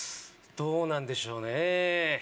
どうなんでしょうねえ